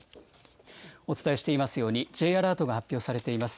お伝えしていますように、Ｊアラートが発表されています。